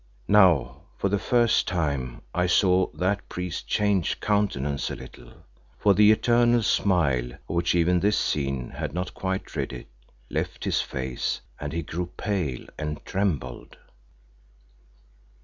Now for the first time I saw that priest change countenance a little, for the eternal smile, of which even this scene had not quite rid it, left his face and he grew pale and trembled.